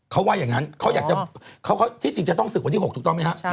เขาว่าอย่างนั้นที่จริงจะต้องศึกวันที่๖ถูกต้องไหมครับ